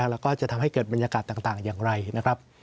แล้วก็จะทำให้เกิดบรรยากาศต่างอย่างไรนะครับ